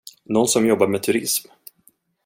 Nån som jobbar med turism.